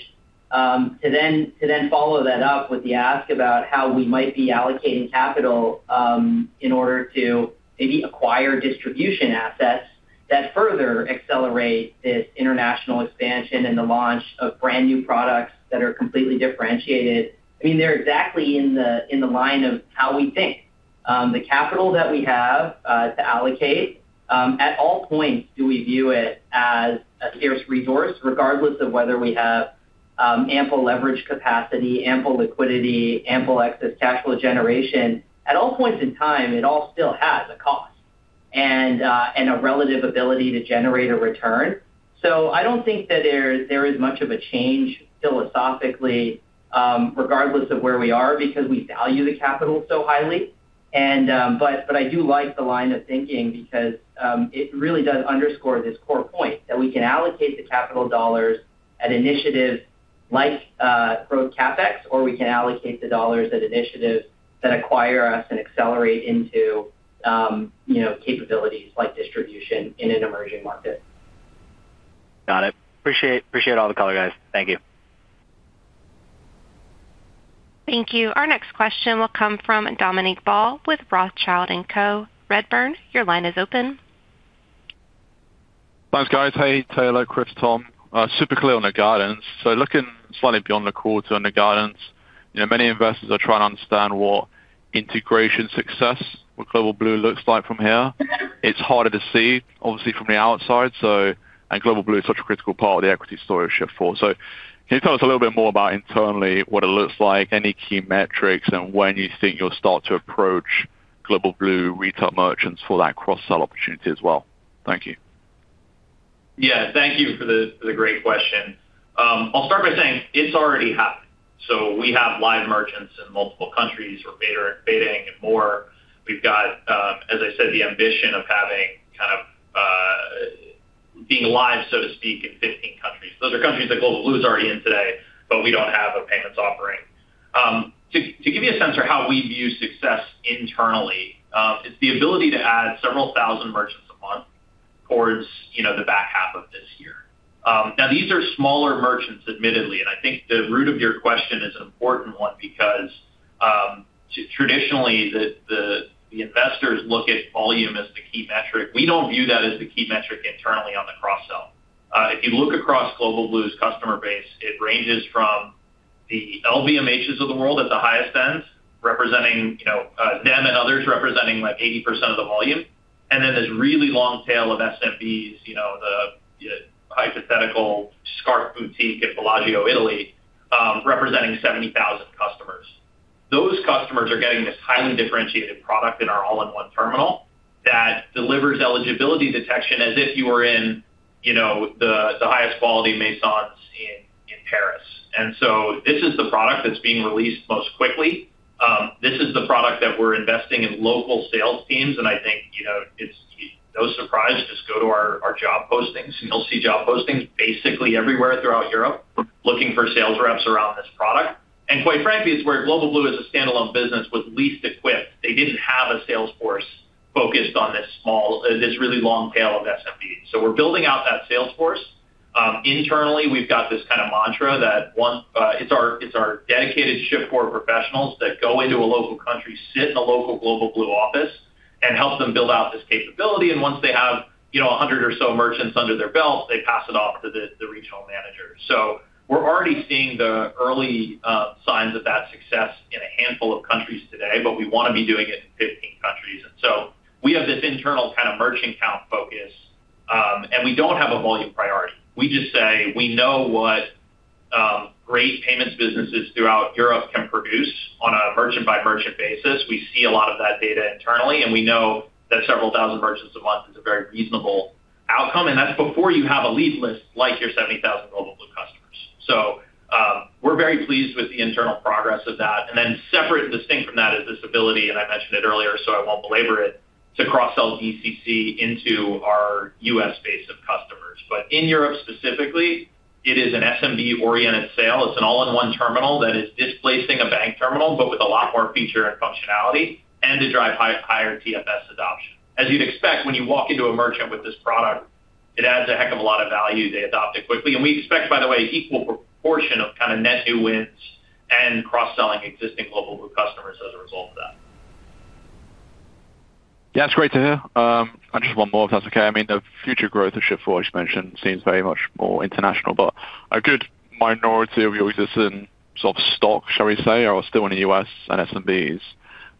to then follow that up with the ask about how we might be allocating capital in order to maybe acquire distribution assets that further accelerate this international expansion and the launch of brand-new products that are completely differentiated. I mean, they're exactly in the, in the line of how we think. The capital that we have to allocate at all points, do we view it as a scarce resource, regardless of whether we have ample leverage capacity, ample liquidity, ample excess cash flow generation. At all points in time, it all still has a cost and a relative ability to generate a return. I don't think that there is much of a change philosophically, regardless of where we are, because we value the capital so highly. But I do like the line of thinking because it really does underscore this core point, that we can allocate the capital dollars at initiatives like growth CapEx, or we can allocate the dollars at initiatives that acquire us and accelerate into, you know, capabilities like distribution in an emerging market. Got it. Appreciate all the color, guys. Thank you. Thank you. Our next question will come from Dominic Ball with Rothschild & Co Redburn, your line is open. Thanks, guys. Hey, Taylor, Chris, Tom. Super clear on the guidance. Looking slightly beyond the quarter on the guidance, you know, many investors are trying to understand what integration success with Global Blue looks like from here. It's harder to see, obviously, from the outside, and Global Blue is such a critical part of the equity story of Shift4. Can you tell us a little bit more about internally, what it looks like, any key metrics, and when you think you'll start to approach Global Blue retail merchants for that cross-sell opportunity as well? Thank you. Yeah, thank you for the great question. I'll start by saying it's already happened. We have live merchants in multiple countries, we're betaing and more. We've got, as I said, the ambition of having kind of being live, so to speak, in 15 countries. Those are countries that Global Blue is already in today, but we don't have a payments offering. To give you a sense for how we view success internally, it's the ability to add several thousand merchants a month towards, you know, the back half of this year. These are smaller merchants, admittedly, and I think the root of your question is an important one because traditionally, the investors look at volume as the key metric. We don't view that as the key metric internally on the cross-sell. If you look across Global Blue's customer base, it ranges from the LVMHs of the world at the highest end, representing, you know, them and others representing, like, 80% of the volume, and then this really long tail of SMBs, you know, the hypothetical scarf boutique in Bellagio, Italy, representing 70,000 customers. Those customers are getting this highly differentiated product in our all-in-one terminal that delivers eligibility detection as if you were in, you know, the highest quality maisons in Paris. This is the product that's being released most quickly. This is the product that we're investing in local sales teams. I think, you know, it's no surprise. Just go to our job postings, and you'll see job postings basically everywhere throughout Europe, looking for sales reps around this product. Quite frankly, it's where Global Blue as a standalone business was least equipped. They didn't have a sales force focused on this small, this really long tail of SMB. We're building out that sales force. Internally, we've got this kind of mantra that one, it's our dedicated Shift4 professionals that go into a local country, sit in a local Global Blue office, and help them build out this capability. Once they have, you know, 100 or so merchants under their belt, they pass it off to the regional manager. We're already seeing the early signs of that success in a handful of countries today, but we want to be doing it in 15 countries. We have this internal kind of merchant count focus, and we don't have a volume priority. We just say, we know what great payments businesses throughout Europe can produce on a merchant-by-merchant basis. We see a lot of that data internally, and we know that several thousand merchants a month is a very reasonable outcome, and that's before you have a lead list like your 70,000 Global Blue customers. We're very pleased with the internal progress of that. Separate and distinct from that is this ability, and I mentioned it earlier, so I won't belabor it, to cross-sell DCC into our U.S. base of customers. In Europe specifically, it is an SMB-oriented sale. It's an all-in-one terminal that is displacing a bank terminal, but with a lot more feature and functionality, to drive higher TFS adoption. As you'd expect, when you walk into a merchant with this product, it adds a heck of a lot of value. They adopt it quickly. We expect, by the way, equal proportion of kind of net new wins and cross-selling existing Global Blue customers as a result of that. Yeah, that's great to hear. Just one more, if that's okay. I mean, the future growth of Shift4, as you mentioned, seems very much more international, but a good minority of your existing sort of stock, shall we say, are still in the U.S. and SMBs.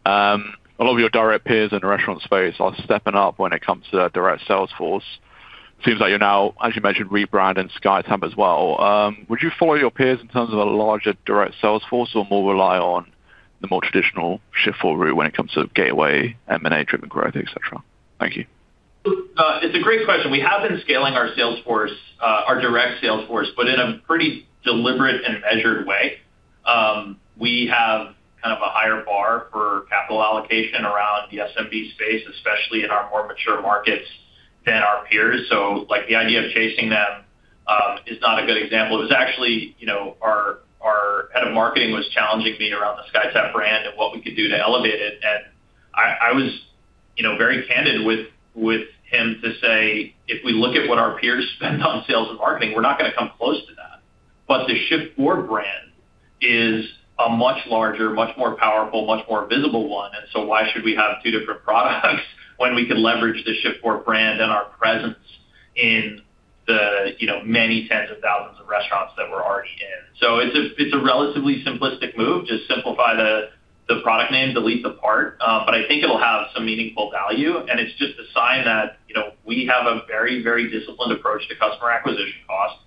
A lot of your direct peers in the restaurant space are stepping up when it comes to their direct sales force. Seems like you're now, as you mentioned, rebranding SkyTab as well. Would you follow your peers in terms of a larger direct sales force, or more rely on the more traditional Shift4 route when it comes to gateway, M&A-driven growth, et cetera? Thank you. It's a great question. We have been scaling our sales force, our direct sales force, but in a pretty deliberate and measured way. We have kind of a higher bar for capital allocation around the SMB space, especially in our more mature markets, than our peers. Like, the idea of chasing them, is not a good example. It was actually, you know, our head of marketing was challenging me around the SkyTab brand and what we could do to elevate it. I was, you know, very candid with him to say, if we look at what our peers spend on sales and marketing, we're not gonna come close to that. The Shift4 brand is a much larger, much more powerful, much more visible one, and so why should we have two different products when we could leverage the Shift4 brand and our presence in the, you know, many tens of thousands of restaurants that we're already in? It's a, it's a relatively simplistic move, just simplify the product name, delete the part, but I think it'll have some meaningful value. It's just a sign that, you know, we have a very, very disciplined approach to customer acquisition costs.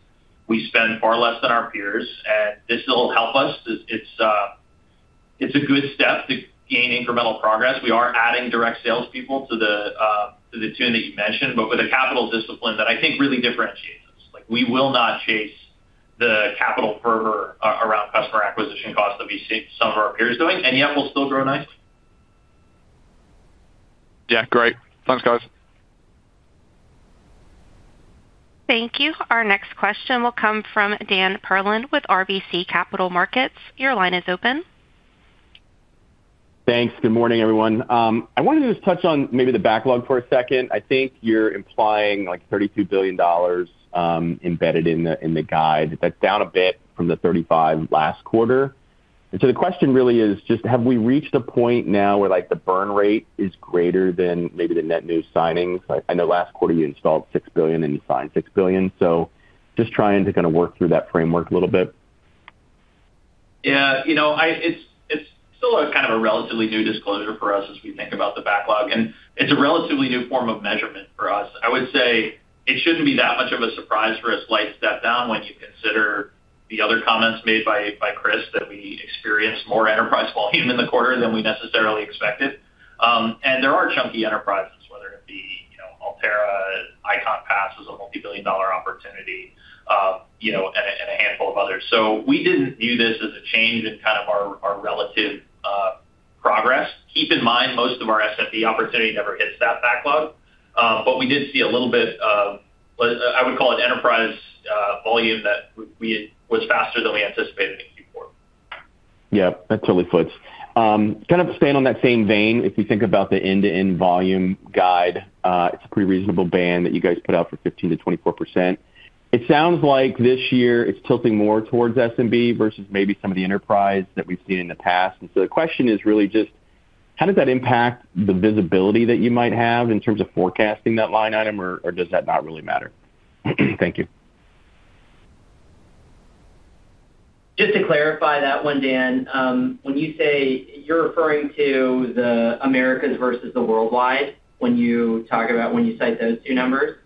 We spend far less than our peers. This will help us. It's a good step to gain incremental progress. We are adding direct salespeople to the tune that you mentioned, but with a capital discipline that I think really differentiates us. Like, we will not chase the capital fervor around customer acquisition costs that we see some of our peers doing, and yet we'll still grow nice. Yeah, great. Thanks, guys. Thank you. Our next question will come from Dan Perlin with RBC Capital Markets. Your line is open. Thanks. Good morning, everyone. I wanted to just touch on maybe the backlog for a second. I think you're implying, like, $32 billion embedded in the guide. That's down a bit from the $35 billion last quarter. The question really is just, have we reached a point now where, like, the burn rate is greater than maybe the net new signings? I know last quarter you installed $6 billion, and you signed $6 billion, just trying to kinda work through that framework a little bit. You know, it's still a kind of a relatively new disclosure for us as we think about the backlog, and it's a relatively new form of measurement for us. I would say it shouldn't be that much of a surprise for a slight step down once you consider the other comments made by Chris, that we experienced more enterprise volume in the quarter than we necessarily expected. There are chunky enterprises, whether it be, you know, Alterra, Ikon Pass was a multi-billion dollar opportunity, you know, and a handful of others. We didn't view this as a change in kind of our relative progress. Keep in mind, most of our SMB opportunity never hits that backlog. We did see a little bit of, what I would call an enterprise volume that was faster than we anticipated it to be for. Yeah, that totally fits. kind of staying on that same vein, if you think about the end-to-end volume guide, it's a pretty reasonable band that you guys put out for 15%-24%. It sounds like this year it's tilting more towards SMB versus maybe some of the enterprise that we've seen in the past. The question is really just, how does that impact the visibility that you might have in terms of forecasting that line item, or does that not really matter? Thank you. Just to clarify that one, Dan, when you say you're referring to the Americas versus the worldwide, when you cite those two numbers?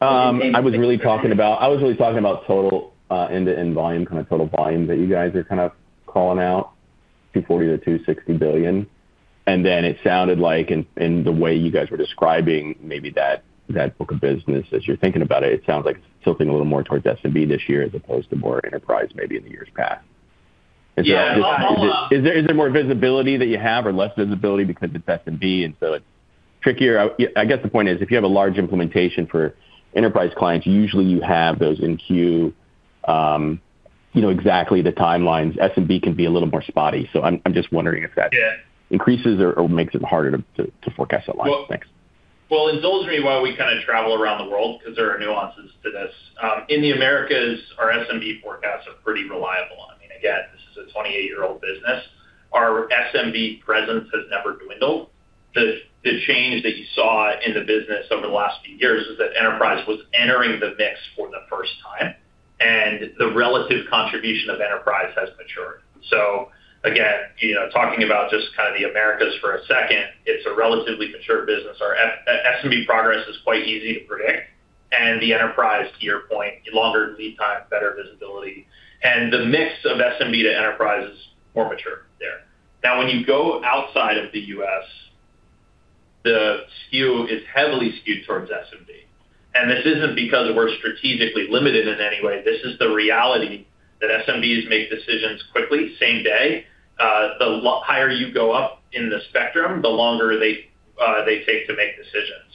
I was really talking about total end-to-end volume, kind of total volume, that you guys are kind of calling out, $240 billion-$260 billion. Then it sounded like in the way you guys were describing maybe that book of business, as you're thinking about it sounds like it's tilting a little more towards SMB this year as opposed to more enterprise, maybe in the years past. Yeah. Is there more visibility that you have or less visibility because it's SMB and so it's trickier? I guess the point is, if you have a large implementation for enterprise clients, usually you have those in queue, you know exactly the timelines. SMB can be a little more spotty, so I'm just wondering if that- Yeah. -increases or makes it harder to forecast that line. Thanks. Well, indulge me while we kind of travel around the world because there are nuances to this. In the Americas, our SMB forecasts are pretty reliable. I mean, again, this is a 28-year-old business. Our SMB presence has never dwindled. The change that you saw in the business over the last few years is that enterprise was entering the mix for the first time, and the relative contribution of enterprise has matured. Again, you know, talking about just kind of the Americas for a second, it's a relatively mature business. Our SMB progress is quite easy to predict, the enterprise, to your point, longer lead time, better visibility, and the mix of SMB to enterprise is more mature there. When you go outside of the U.S., the SKU is heavily skewed towards SMB. This isn't because we're strategically limited in any way. This is the reality that SMBs make decisions quickly, same day. The higher you go up in the spectrum, the longer they take to make decisions.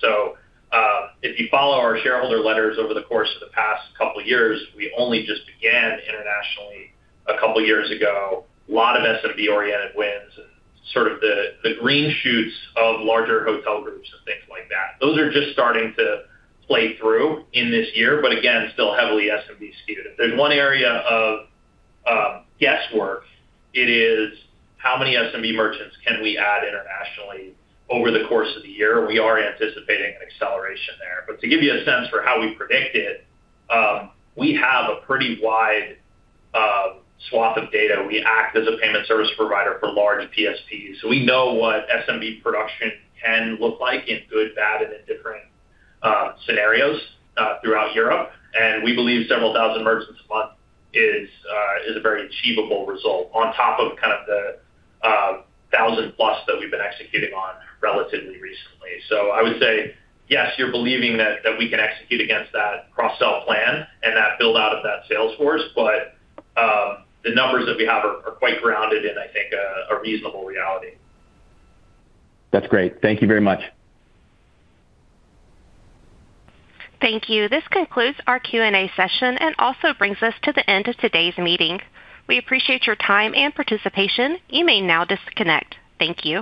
If you follow our shareholder letters over the course of the past couple of years, we only just began internationally a couple of years ago. A lot of SMB-oriented wins and sort of the green shoots of larger hotel groups and things like that. Those are just starting to play through in this year, but again, still heavily SMB skewed. If there's one area of guesswork, it is: how many SMB merchants can we add internationally over the course of the year? We are anticipating an acceleration there. To give you a sense for how we predict it, we have a pretty wide swath of data. We act as a payment service provider for large PSPs, so we know what SMB production can look like in good, bad, and in different scenarios throughout Europe. We believe several thousand merchants a month is a very achievable result on top of kind of the 1,000-plus that we've been executing on relatively recently. I would say, yes, you're believing that we can execute against that cross-sell plan and that build-out of that sales force, the numbers that we have are quite grounded in, I think, a reasonable reality. That's great. Thank you very much. Thank you. This concludes our Q&A session and also brings us to the end of today's meeting. We appreciate your time and participation. You may now disconnect. Thank you.